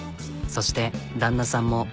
そして旦那さんも。